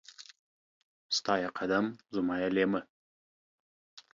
ستا يې قدم ، زما يې ليمه.